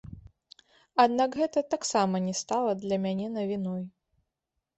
Аднак гэта таксама не стала для мяне навіной.